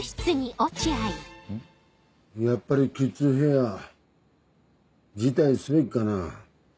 やっぱりキッズフェア辞退すべきかな？